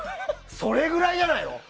それぐらいじゃないの？